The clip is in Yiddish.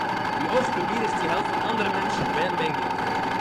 ווי אויך פראביר איך צו העלפן אנדערע מענטשן ווען מעגליך